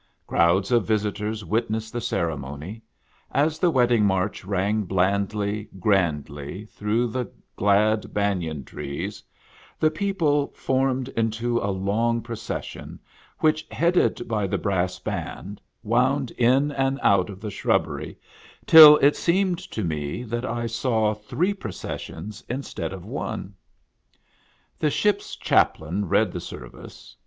Crowds of visitors witnessed the ceremony. As the wedding march rang blandly, grandly, through the glad banyan trees, the people formed into a long pro cession, which, headed by the brass band, wound in and out of the shrubbery, till it seemed to me that I saw three processions instead of one. The ship's chaplain read the service.